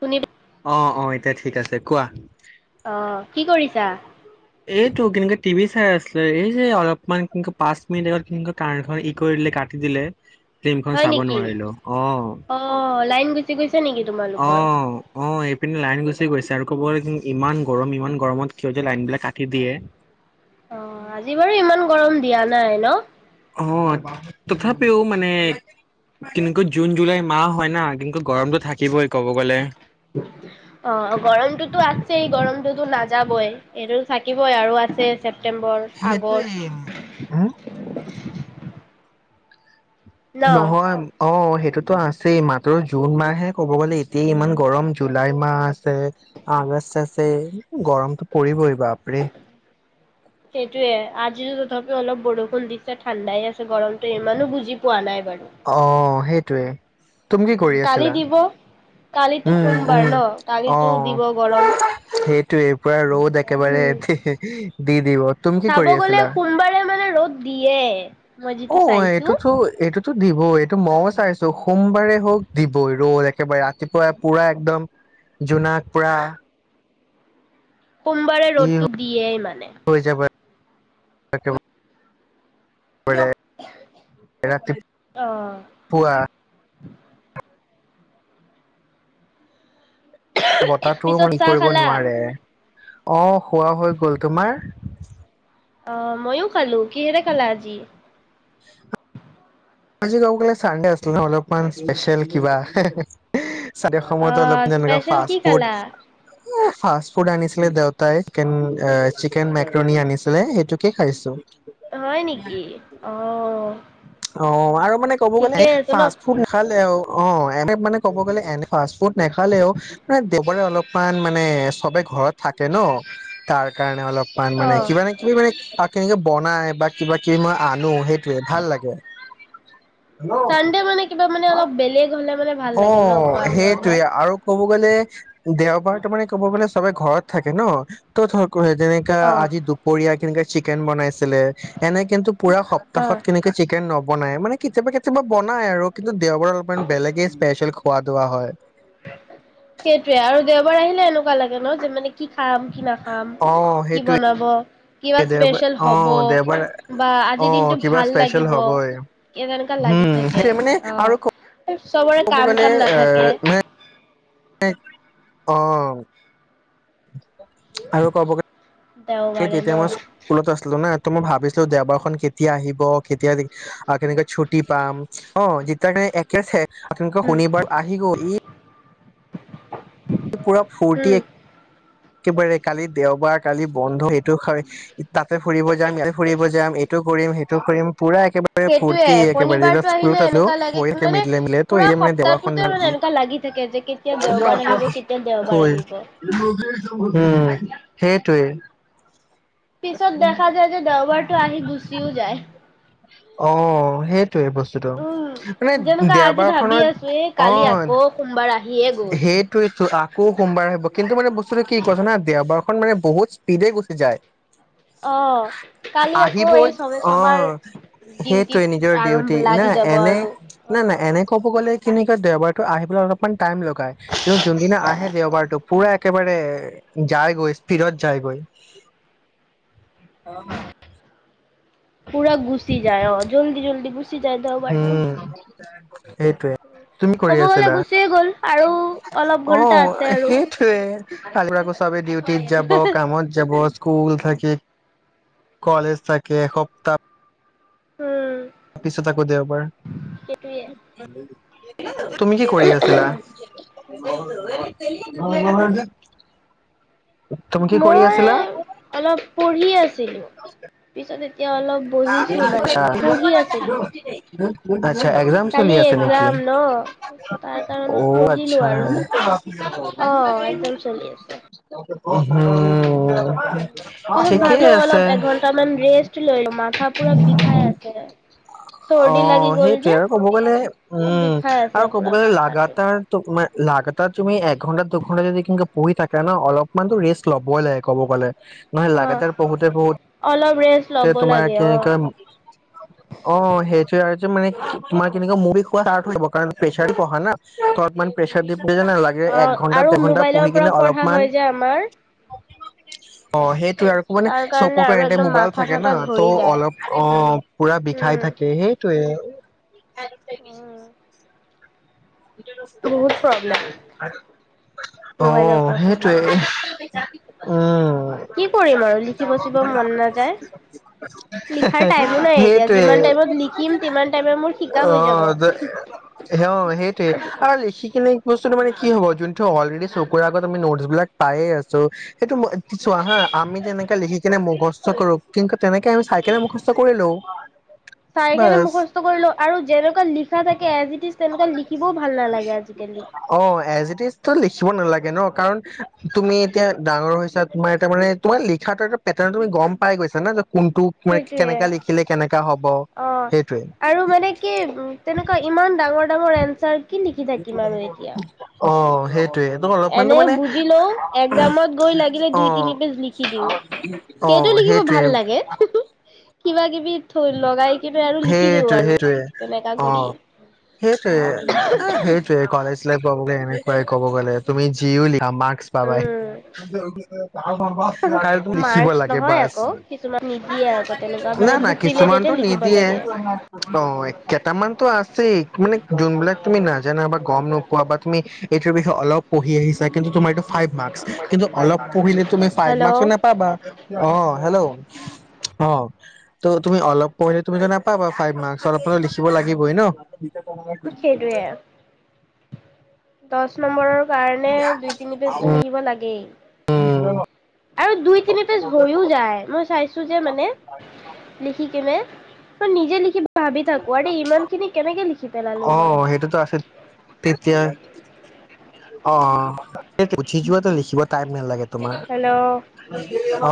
শুনি অ অ এতিয়া ঠিক আছে। চেকুৱা অ কি কৰিছা এইটো কেনেকুৱা টিভি চাই আছিলে এই যে অলপমান কে পাঁচ মিনিট আগত কাৰেন কাটি এখন ই কৰি দিলে কাটি দিলে। ফ্লিমখন হয় চাব নেকি নোৱাৰিলো অ। অ লাইন গুচি গৈছে। নেকি অ তোমালোকৰ অ এইপিনে লাইন গ গুচি গৈছে আৰু ক'ব ইমান গৰম ইমান গৰমত কিয় যে লাইন বিলাক কাটি দিয়ে? অ আজি বাৰু ইমান গৰম দিয়া নাই ন অ তথাপিও মানে কেনেকৈ জুন জুলাই মাহ হয় কিন্তু ক গৰমতটো থাকিবই ক'ব গ'লে। অ গৰমটোতো আছেই গৰমটোতো নাযাবই এইটো থাকিবই আৰু আছে ছেপ্তেম্বৰ সেইটোৱে হম আগষ্ট ন নহয় অ সেই তো আছেই মাত্ৰ জুন মাহহে ক'ব গ'লে এতিয়া ইমান গৰম জুলাই মাহ আছে আগষ্ট আছে গৰমতটো পৰিবই বাপৰে সেইটোয়ে আজি তথাপিও অলপ বৰষুণ দিছে ঠাণ্ডাই আছে গৰমটো ইমানো বুজি পোৱা নাই বাৰু অ সেইটোৱে তুমি কি কৰি কালি আছিলা দিব কালিতো উম সোমবাৰ উম ন কালিতো দিব গৰম টো এই পৰা ৰ'দ একেবাৰে উম এতি দি দিব তুমি কি চাব কৰি গ'লে আছিলা সোমবাৰে মানে ৰ'দ দিয়ে? মই অ যিটো চাইছো এইটোতো এইটোতো দ ব এইটো ময়ো চাইছো সোমবাৰে হওক দিবই ৰ'ল একেবাৰে ৰাতিপুৱা পুৰা একদম জোনাক পুৰা সোমবাৰে ৰ'দটো দিয়ে মানে তাক াৰ এৰাতিপ পুৱা বটাটো পিছত মান ই চাহ কৰিব খালা? নোৱাৰে আহ খোৱা হৈ গল তোমাৰ অ মইয়ো খালো কিহেৰে খালা আজি উ আজি গাও গলে চানডে আছিলে ন অলপমান স্পেচিয়েল কিবা চাৰি অসমত অলপ অ' যেনেকুৱা স্পেচিয়েল কি ফাষ্ট ফুড খালা? এ ফাষ্ট ফুড আনিছিলে দেউতাই চিকেন চিকেন মেক্ৰণী আনিছিলে সেইটোকে খাইছো হয় নেকি আহ অ আৰু মানে ক'ব গ'লে ন? ফাষ্ট ফুড নাখালে অ এনে মানে ক'ব গলে এনে ফাষ্টফুড নেখালেও ম দেৱাৰে অলপমান মানে চবে ঘৰত থাকে ন তাৰ কাৰণে অলপ ান মানে অ' কিবা ন কিবি মানে কেনেকে বনাই বা কিবা কিবি মই আনো সেইটোয়ে ভাল লাগে চানডে মানে কিবা মানে অলপ বেলেগ হলে মানে ভাল অ লাগে ন খোৱা লোৱা সেইটোৱে বিলাক। আৰু ক'ব গ'লে উম, দেওবাৰ তো মানে ক'ব গোলে সবে ঘৰত থাকে ন ত' ধ যেনেকা অ' আজি দুপৰীয়া কেনো চিকেন বনাইছে এনে কিন্তু পুৰা সপ্তাহত অ'। কেনে চিকেন ন বনাই মানে কেতিয়াবা কেতিয়াবা বনাই আৰু দেওবাৰ অলপমান বেলেগে খেল খোৱা ধোৱা হয় সেইটোয়ে আৰু দেওবাৰ আহিলে এনেকুৱা লাগে ন যে মানে কি খাম কি নাখাম অ কি সেইটোৱে বনাব কিবা দেওবাৰ স্পেচিয়েল অ হব দেওবাৰ বা অ আজিৰ দিনটো কিবা ভাল স্পেচিয়েল লাগিব হবই এ তেনেুৱা লাগি হম থাকে সেই মানে আৰু অ চবৰে কাম তাম নাথাকে অহ আৰু ক'ব দেওবাৰে ন কেতিয়া মই স্কুলত আছিলো না ত মই ভাবিছিলো দেওবাৰখনন কেতিয়া আহিব কেতিয়া কেনেকে ছুটি পাম অ যেতিয়া কাৰে একে আপনোকে উম শনিবাৰ আহি গ ই। পূৰা ফৰটি উম এক। একেবাৰে কালি দেওবাৰ কালি বন্ধ সেইটো হয়। তাতে ফুৰিব যাম ইয়াতে ফুৰিব যাম। ইতো কৰিম, সেইটো কৰিম। পুৰা একেবাৰে সেইটোয়ে ফৰ্তিেবাৰে শনিবাৰটো আহিলে স্কুলত আছিলো এনেকুৱা লাগে ম ম মানে পুৰা মানে দেৱাখন সপ্তাহটোতে মানে এনেকুৱা লাগি থাকে যে কেতিয়া দেওবাৰ আহিব কেতিয়া [unintelligible] উ দেওবাৰ আহিব সেইটোৱে। পিছত দেখা যায় যে, দেওবাৰতটো আহি গুচিএ যায়। অ সেই। বস্তুতটো উম, মানে যেনেকুৱা আজি দেওবাৰ ভাবি আছো খত এই অ। কালি আকৌ সোমবাৰ আহিয়ে গ'ল। সেইটোৱে তো আকৌ সোমবাৰে। কিন্তু মানে বস্তুটো কি কথা ন দেবাৰখন মানে বহুত স্পীডে গুচি যায়। অ', কালি আকৌ আহিবই এই চবে অ চবাৰ ডিউটিত সেইটোৱে নিজৰ আৰম্ভ ডিউটি না লাগি যাব এনে আৰু নাই নাই অ'। এনে ক'ব গ'লে। তেনেকৈ দেওবাৰতো আহি পেল অলপমান। টাইম লগে। কিন্তু যোনদিনা আহে দেওবাৰতটো পুৰা। একেবাৰে যায়গৈ স্পীৰত যায়গৈ। পুৰা গুচি যায়, অ জল্দি জল্দি গুচি। যায় দেওবাৰটো। উম। ত [unintelligible] ক'ব গলে গুচিয়ে গ'ল আৰু। অলপ অ, ঘন্টা আছে আৰু সেইটোৱে আকৌ চবে ডিউটিত যাব কামত যাব। স্কুল থাকে, কলেজ থাকে এসপ্তাহ। উম। তাৰপিছত আকৌ দেওবাৰ। সেইটোয়ে। [unintelligible] তুমি কি কৰি আছিলা? মই মানে। মই অলপ পঢ়ি আছো। পিছত। এতিয়া অলপ বহিছো মানে পঢ়ি আছিলো। আছা একজাম চলি কালি আছে নেকি? এক্সাম ন' তাৰ কাৰণে অ অলপ পঢ়িলো আছা। আৰু। অ', এক্জাম চলি আছে। উম। তাপিছত ঠিকেই ভাবিলো অলপ, আছে। এঘন্টামান ৰেষ্ট লৈ ল'ম। মাথা পুৰা বিষাই আছে। চৰ্দি লাগি অ' গ'ল সেইটোৱে যে, আৰু ক'ব গ'লে উম, বিষাই আৰু আছে ক'ব পুৰা গ'লে মাথাটো। লাগাতাৰ তোমাৰ লাগাতাৰ তুমি এঘণ্টা-দুঘণ্টা যদি পঢ়ি থাকা ন? অলপমানতো ৰেষ্ট ল'বই লাগে ক'ব গ'লে। নহয় অ', লাগাতাৰ অলপ ৰেষ্ট পঢ়োতে-পঢ়োতে ল'ব তোমাৰ লাগে অ', কেনেকা। অ' সেইটোৱে আৰু তোমাৰ কেনেকুৱাত [unintelligible] প্ৰেছাৰ দি পঢ়া না? ত' [unintelligible] প্ৰেছাৰ দি পঢ়িলে নালাগে এক অ' ঘন্টা আৰু দুঘন্টা মোবাইলৰ পঢ়ি পৰা কিনে পঢ়া অলপমান হয় যে আমাৰ। অ' সেইটো। ত' আৰু মানে, তাৰ কাৰণে চকুতো আৰু এনিটাইম একদম মোবাইলত মাথা থাকে চাথা না। ধৰি যায়। অলপ অ'। পুৰা বিষাই থাকে, সেইটোৱে। [unintelligible] উম। বহুত প্ৰব্লেম অ' মোবাইলৰ পৰা সেইটোৱে। পঢ়িলে। উম। কি কৰিম আৰু লিখিব-চিখিব মন নাযায়। লিখাৰ টাইমো নাই এতিয়া সেইটোৱে যিমান টাইমত লিখিম, তিমান টাইমে মোৰ শিকা অ হৈ যাব। অ সেইটোৱে আৰু লিখি কিনে বস্তুটো মানে কি হ'ব যোনটো অলৰেডি চকুৰ আগত আমি নোটছবিলাক পায়ে আছো, সেইটো চোৱা হা, আমি যেনেকে লিখি কেনে মুখস্থ কৰ, কিন্তু তেনেকে আমি চাই কেনে মুখস্থ কৰি লও চাই কিনে বাচ মুখস্থ কৰি লওঁ আৰু যেনেকুৱা লিখা থাকে এজি-টিজ। তেনেকুৱা লিখিবও ভাল নালাগে আজিকালি। অ এজ ইট ইজটো লিখিব নালাগে ন কাৰণ, তুমি এতিয়া ডাঙৰ হৈছা। তোমাৰ এটা মানে তোমাৰ লিখা এটা পেটাৰ্ণটো তুমি গম পাই গৈছা ন! সেইটোৱে। হব সেইটোৱে অ' আৰু মানে কি তেনেকুৱা ইমান ডাঙৰ। এনছাৰ কি লিখি থাকিম আৰু এতিয়া। [unintelligible] অ'। সেইটোৱে এইটো অলপমানতো এনে মানে বুজি লও। একজামত গৈ লাগিলে অ দুই-তিনি পেজ লিখি দিওঁ। অ সেইটো লিখিব সেইটোৱে ভাল লাগে। কিবাকিবি। সেইটোৱে, সেইটোৱে। তেনেকা কৰি। অ', সেইটোৱে সেইটোৱে। কলেজ লাইফ [unintelligible] এনেকুৱাই। ক'ব গ'লে তুমি জিও লি মাৰ্ক্স পাবাই। উম। লিখিব মাৰ্কচ লাগে নহয় বাছ। আকৌ কিছুমান নিদিয়ে আকৌ তেনেকুৱা না মানে না বুক কিছ ৰিলেটেডে কিছুমানটো লিখিব নিদিয়ে, লাগে। অ' কেইটামান। আছেই। মানে যোনবিলাক তুমি নাজানা বা গম নোপোৱা বা তুমি এইটোৰ বিষয়ে অলপ পঢ়ি আহিছা, কিন্তু তোমাৰ এইটো ফাইভ মাৰ্ক্স কিন্তু অলপ পঢ়িলে তুমি ফাইভ মাৰ্ক হেল্ল'। নাপাবা অ হেল্ল' অ ত তুমি অলপ পঢ়িলে তুমিটো নাপাবা ফাইভ মাৰ্ক অলপ লিখিব লাগিবই ন। সেইটোৱে আও দহ নম্বৰৰ কাৰণে দুই তিনি পেজটো লিখিব লাগেই উম আৰু দুই তিনি পেজ হৈও যায় মই চাইছো যে মানে লিখি কিনে। হা নিজে লিখিব। ভাবি থাকো আৰে ইমান খিনি কেনেকে লিখ। অ সেইটোতো আছিল তেতিয়া। অ উঠি যোৱা লিখিব টাইম নেলাগে। তোমাৰ হেল্ল'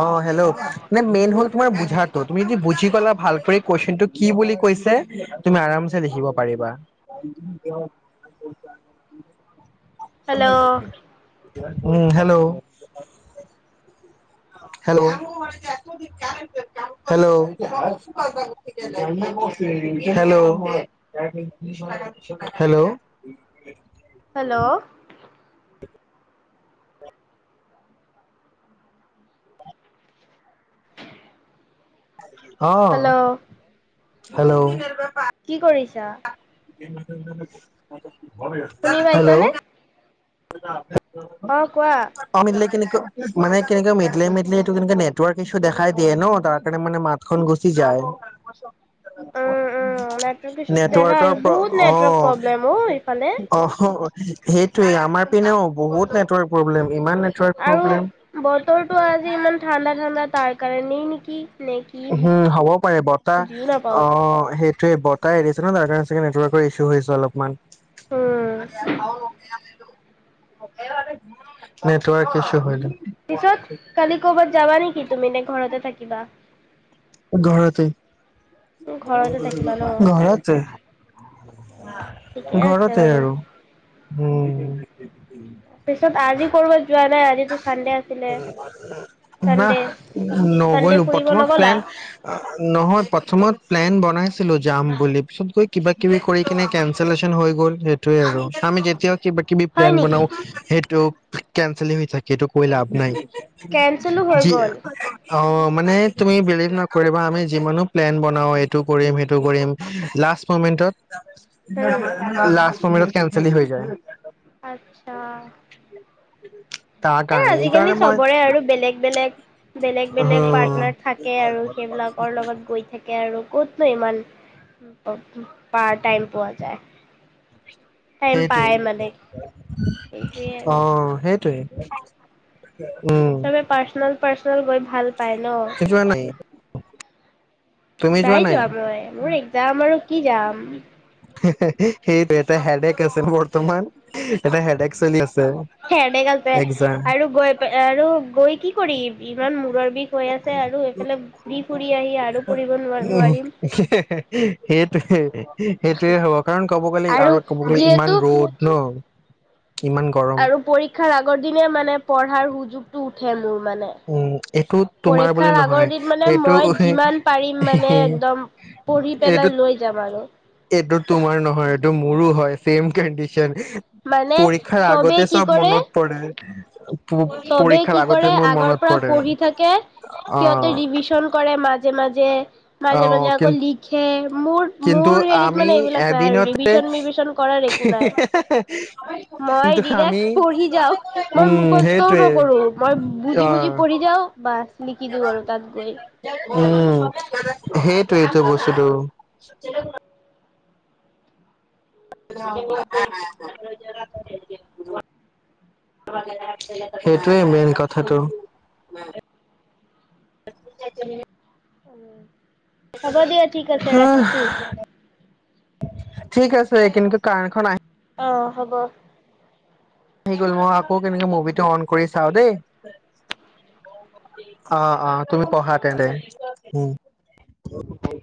অ হেল্ল' নে মেইন হল তোমাৰ বুজাটো তুমি যি বুজি গলা ভাল কৈ কুৱেশচনটো কি বুলি। কৈছে, তুমি আৰামছে লিখিব পাৰিবা। হেল্ল' [unintelligible] উম hello [unintelligible] hello hello hello hello hello অ হেল্ল' হেল্ল' কি কৰিছা [unintelligible] শুনি হেল্ল' পাইছানে? অ কোৱা [unintelligible] অমিত লেকিন মানে কেনেকে মেটিলাই মেটিলাই এইটো কেনে নেটৱকছু দেখাই দিয়ে ন তাৰ কাৰণে মানে মাতখন গুচি যায় উম উম নেটৰ্ক ইছু দেখা নেটৱৰ্কৰ প্ৰ বহুত নেটৰ্ক অ প্ৰব্লেম অ ইফালে সেই ত আমাৰ পিনেও বহুত নেটৱৰ্ক প্ৰব্লেম ইমান নেটৱৰ্ক আৰু প্ৰব্লেম বতৰটো আজি ইমান ঠাণ্ডা ঠাণ্ডা তাৰ কাৰণেই নেকি কি নে হম হ'বও পাৰে বতাহ বুজিও নাপাও অ সেই ত বতাহ এ দিছে ন ত কাৰণে চাগে নেটৱৰ্কৰ ইছু হৈছে অলপমান উম, [unintelligible] নেটৱৰ্ক ইছু হয় পিছত কালি ক'বাত যাবা নেকি? সি তুমি নে ঘৰতে থাকিবা? ঘৰতে। ঘৰতে থাকিবা ন'? ঘৰতে, ঠিকে আছে ঘৰতে বাৰু। আৰু। উ। উ। তাৰ পিছত আজি কৰবাত যোৱা নাই আজি না, চানডে, চানডে নগলো। ফুৰিব প্ৰথমত নগ'লা? প্লেন নহয় প্ৰথমত প্লেন বনাইছিলো যাম বুলি। কিবা-কিবি হয় প্লেন নেকি? বনাও, সেইটো কেনঞ্চেল হৈ থাকে, এইটো কৈ লাভ নাই। কেনচেলো হৈ গ'ল? যি--অহ মানে তুমি বিলিব নক কৰিবা আমি যিমানো প্লেন বনাও এইটো কৰিম সেইটো কৰিম, লাষ্ট মমেন্টত উম, [unintelligible] ল্লাহ সমত কেনচেল এ হৈ যায়। আত্ছা [unintelligible] িক এ আজিকালি চবৰে আৰু বেলেগ-বেলেগ অ বেলেগ-বেলেগ পাৰ্টনাৰ থাকে আৰু সেইবিলাকৰ লগত গৈ থাকে আৰু। ক'তনো ইমান পাৰ টাইম পোৱা যায়? টাইম সেইটোৱে, পায় মানে সেইটোৱে আৰু। অহ সেইটোৱে। [unintelligible] চবে পাৰ্চনল-পাৰ্চনল গৈ ভাল পায় ন। [unintelligible] [unintelligible] নাই যোৱা মই। মোৰ একজাম আৰু কি যাম? সেইটো এটা হেডেক আছে বৰ্তমান, এটা হেডএক চলি আছে। হেদেক আছে একজাম। আৰু গৈ আৰু গৈ কি কৰিম? ইমান মূৰৰ বিষ হৈ আছে আৰু এইফালে ঘূৰি ফুৰি আহি আৰু পঢ়িব নোৱাৰ উ, নোৱাৰিম সেইটোৱে, সেইটোয়ে হ'ব। কাৰণ কব গ'লে আৰু কব গ'লে ইমান ৰ'দ ন? উ, কিমান গৰম। শিক্ষাৰ আগৰ দিনে মানে পঢ়াৰ সুযোগতটো উঠে মোৰ। মানে। উম, এইটো তোমাৰ বুলি পৰীক্ষাৰ আগৰ নহয় দিন মানে এইটো মই যিমান পাৰিম মানে একদম পঢ়ি এইটো পেলাই লৈ যাম আৰু এইটো তোমাৰ নহয়। টো মোৰো হয় চেম কণ্ডিচন। মানে পৰীক্ষাৰ চবেই আগতে কি চব কৰে মনত পৰে। চবেই পৰীক্ষাৰ কি আগতে কৰে মোৰ আগৰ মনত পৰা পৰে পঢ়ি থাকে অ সিহঁতে ৰিভিশন কৰে মাজে- মাজে। যে অ মাজে মাজে আকৌ কিন্তু লিখে। মোৰ কিন্তু মোৰ হেৰিত আমি মানে এইবিলাক নাই আৰু এদিনতে ৰিভিশন মিভিশন কৰাৰ একো নাই মই কিন্তু ডিৰেক্ট আমি পঢ়ি যাওঁ মই উম মুখস্থও সেই। নকৰো মই বুজি বুজি পঢ়ি যাওঁ বাছ লিখি দিওঁ আৰু তাত গৈ উম সেইটোৱেই বস্তুটো। নে? [unintelligible] সেইটোৱেই মেইন কথাটো। উম, হ'ব দিয়া ঠিক আছে হা ৰাখিছো। ঠিক আছে কিন্তু কাৰখন আহি। অ হ'ব। আহি গ'ল মই আকৌ কেনেকে মুভিটো অন কৰি চাও দেই অ'- অ তুমি পঢ়া তেন্তে উম